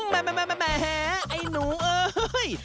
แหมไอ้หนูเอ้ย